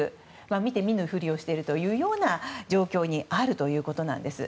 見て見ぬふりをしているという状況にあるということです。